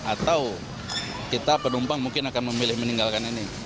atau kita penumpang mungkin akan memilih meninggalkan ini